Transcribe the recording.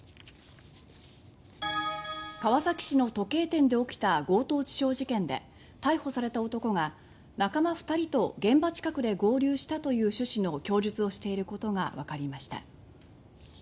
川崎市の時計店で起きた強盗致傷事件で逮捕された男が「仲間２人と現場近くで合流した」という趣旨の供述をしていることがわかりました。